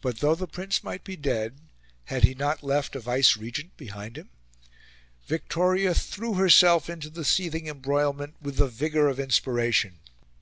But, though the Prince might be dead, had he not left a vicegerent behind him? Victoria threw herself into the seething embroilment with the vigour of inspiration.